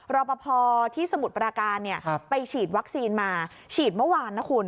รอปภที่สมุทรปราการไปฉีดวัคซีนมาฉีดเมื่อวานนะคุณ